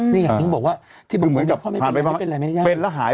นี่อย่างที่นึงบอกว่าที่บอกว่าพ่อไม่เป็นอะไรไม่เป็นอะไรยัง